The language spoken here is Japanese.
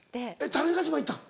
種子島行ったん？